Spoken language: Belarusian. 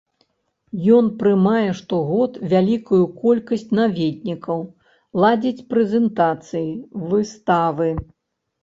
Ён прымае штогод вялікую колькасць наведнікаў, ладзіць прэзентацыі, выставы.